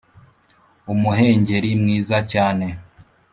umuhengeri mwiza cyane